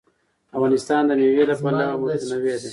افغانستان د مېوې له پلوه متنوع دی.